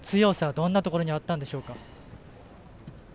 どんなところにあったんでしょうか？